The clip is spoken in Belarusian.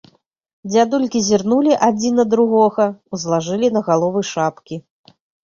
Дзядулькі зірнулі адзін на другога, узлажылі на галовы шапкі.